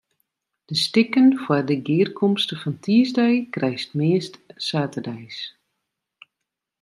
De stikken foar de gearkomste fan tiisdei krijst meast saterdeis.